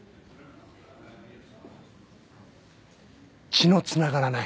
血のつながらない？